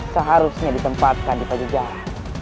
seharusnya ditempatkan di pajak jalan